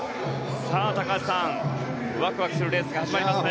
高橋さん、ワクワクするレースが始まりますね。